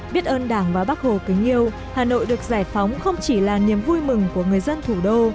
biết ơn đảng và bắc hồ kính yêu hà nội được giải phóng không chỉ là niềm vui mừng của người dân thủ đô